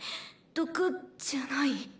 毒じゃない？